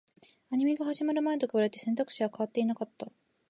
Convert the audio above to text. アニメが始まる前と比べて、選択肢は変わっていなかった